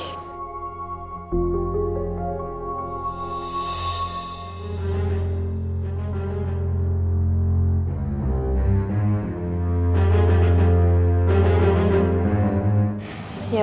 ya udah aku berangkat ke rumah mama ya